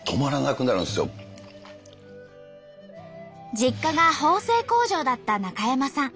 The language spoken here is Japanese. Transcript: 実家が縫製工場だった中山さん。